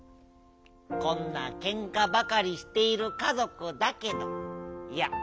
こんなけんかばかりしているかぞくだけどいや